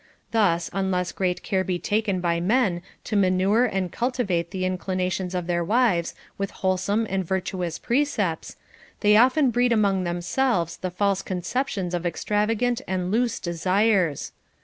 Thus, unless great care be taken by men to manure and cultivate the inclinations of their wives with wholesome and virtuous precepts, they often breed among themselves the false conceptions of extrava gant and loose desires.